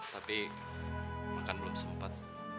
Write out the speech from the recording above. tapi makan belum sempat